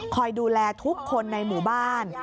คอยดูแลทุกคนในหมู่บ้าน